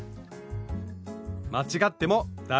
間違っても大丈夫。